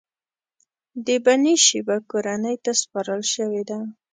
د بنی شیبه کورنۍ ته سپارل شوې ده.